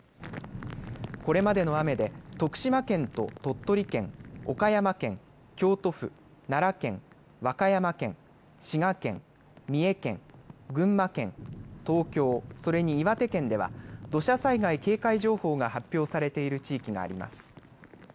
これまでの雨で徳島県と鳥取県、岡山県、京都府、奈良県、和歌山県、滋賀県、三重県、群馬県、東京、それに岩手県では土砂災害警戒情報が発表されている地域があります。